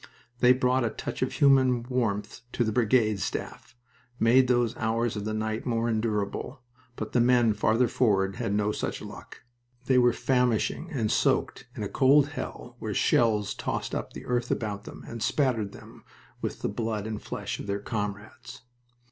They brought a touch of human warmth to the brigade staff, made those hours of the night more endurable, but the men farther forward had no such luck. They were famishing and soaked, in a cold hell where shells tossed up the earth about them and spattered them with the blood and flesh of their comrades.